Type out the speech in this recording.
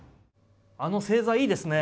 あの正座いいですね。